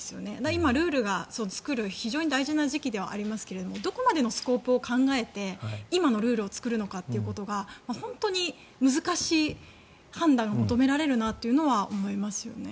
今、ルールが作る非常に大事な時期ではありますがどこまでのスコープを考えて今のルールを作るのかということが本当に難しい判断を求められるなというのは思います。